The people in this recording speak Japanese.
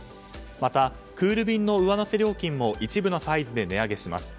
また、クール便の上乗せ料金も一部のサイズで値上げします。